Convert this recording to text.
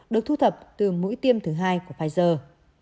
được thu thập từ mũi tiêm thứ hai của pfizer